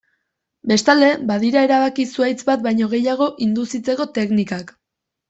Bestalde, badira erabaki-zuhaitz bat baino gehiago induzitzeko teknikak.